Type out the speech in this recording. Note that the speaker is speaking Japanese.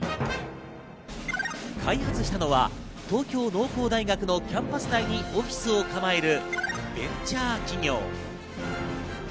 開発したのは東京農工大学のキャンパス内にオフィスを構えるベンチャー企業。